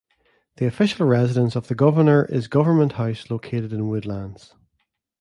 The official residence of the Governor is Government House, located in Woodlands.